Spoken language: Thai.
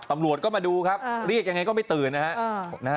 ตำรวจก็มาดูครับเรียกยังไงก็ไม่ตื่นนะฮะ